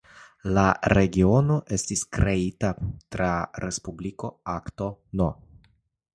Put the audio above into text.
La regiono estis kreita tra Respubliko Akto No.